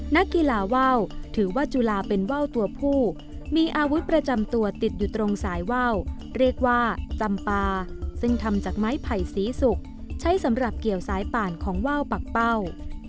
นักกีฬาว่าวถือว่าจุลาเป็นว่าวตัวผู้มีอาวุธประจำตัวติดอยู่ตรงสายว่าวเรียกว่าจำปาซึ่งทำจากไม้ไผ่สีสุกใช้สำหรับเกี่ยวสายป่านของว่าวปากเป้า